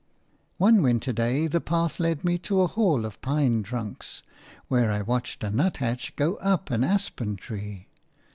One winter day the path led me to a hall of pine trunks, where I watched a nuthatch go up an aspen tree.